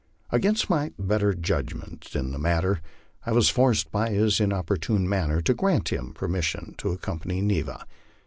Against my judgment in the matter, I was forced by his importunate manner to grant him permission to accompa ny Neva.